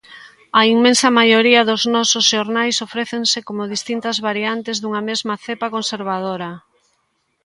A inmensa maioría dos nosos xornais ofrécense como distintas variantes dunha mesma cepa conservadora.